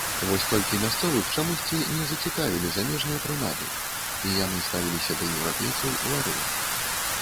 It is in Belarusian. Вось толькі мясцовых чамусьці не зацікавілі замежныя прынады і яны ставіліся да еўрапейцаў варожа.